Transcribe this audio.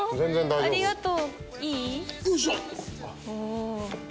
ありがとう。